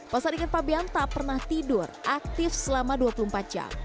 pasar ikan fabian tak pernah tidur aktif selama dua puluh empat jam